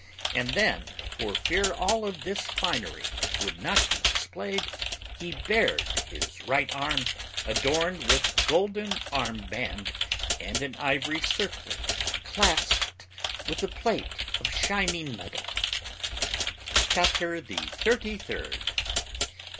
And then, for fear all of his finery would not be displayed, he bared his right arm, adorned with a golden arm band and an ivory circlet clasped with a plate of shining metal. CHAPTER THE THIRTY THIRD.